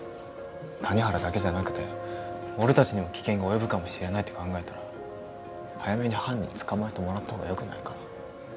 谷原だけじゃなくて俺達にも危険が及ぶかもしれないって考えたら早めに犯人捕まえてもらった方がよくないか？